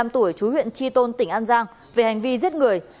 hai mươi năm tuổi chú huyện tri tôn tỉnh an giang về hành vi giết người